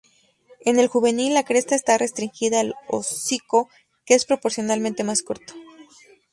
En el juvenil, la cresta está restringida al hocico, que es proporcionalmente más corto.